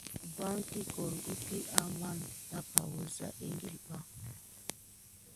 Vaki gorkute amà tada wusa ekile ɓā.